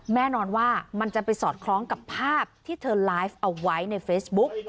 แน่นอนว่ามันจะไปสอดคล้องกับภาพที่เธอไลฟ์เอาไว้ในเฟซบุ๊ก